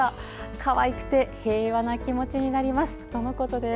かわいくて、平和な気持ちになりますとのことです。